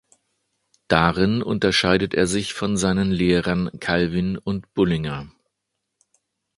Darin unterscheidet er sich von seinen Lehrern Calvin und Bullinger.